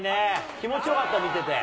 気持ちよかった、見てて。